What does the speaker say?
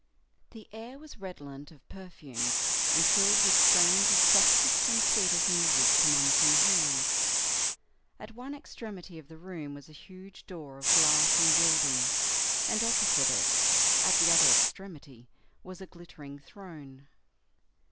The air was redolent of perfumes, and filled with strains of softest and sweetest music from unseen hands. At one extremity of the room was a huge door of glass and gilding; and opposite it, at the other extremity, was a glittering throne.